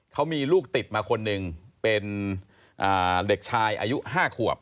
เขามีลูกติดมาคนหนึ่งเป็นเด็กชายอายุ๕ขวบ